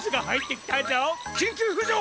きんきゅうふじょう！